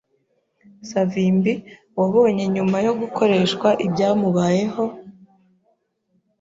Savimbi wabonye nyuma yo gukoreshwa ibyamubayeho,